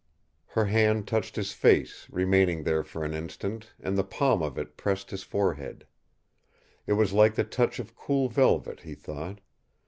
Her hand touched his face, remaining there for an instant, and the palm of it pressed his forehead. It was like the touch of cool velvet, he thought.